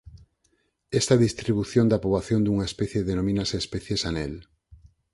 Esta distribución da poboación dunha especie denomínase especies anel.